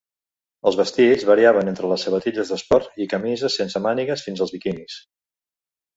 Els vestits variaven entre les sabatilles d'esport i camises sense mànigues fins als biquinis.